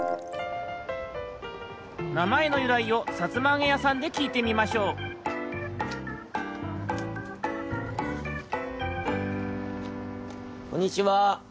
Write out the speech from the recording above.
なまえのゆらいをさつまあげやさんできいてみましょうこんにちは。